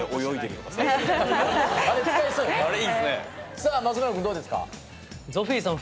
さあ松村君どうですか？